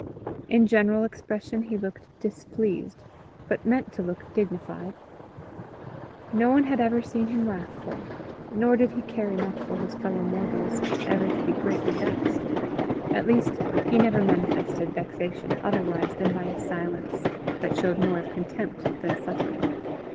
In general expression he looked displeased, but meant to look dignified. No one had ever seen him wrathful; nor did he care enough for his fellow mortals ever to be greatly vexed at least he never manifested vexation otherwise than by a silence that showed more of contempt than suffering.